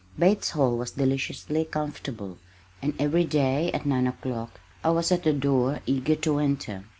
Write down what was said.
Bates' Hall was deliciously comfortable, and every day at nine o'clock I was at the door eager to enter.